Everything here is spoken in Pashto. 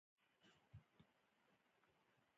ازادي راډیو د ټرافیکي ستونزې د اغیزو په اړه مقالو لیکلي.